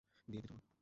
দিয়ে দে জবাব?